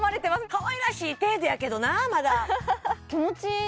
かわいらしい程度やけどなまだ気持ちいい！